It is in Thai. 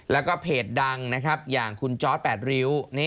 แล้วก็เพจดังนะครับอย่างคุณจอร์ด๘ริ้ว